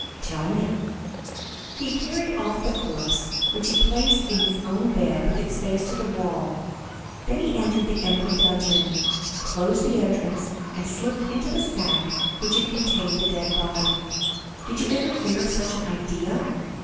"Tell me." "He carried off the corpse, which he placed in his own bed with its face to the wall; then he entered the empty dungeon, closed the entrance, and slipped into the sack which had contained the dead body. Did you ever hear of such an idea?"